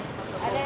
selamat pulang bu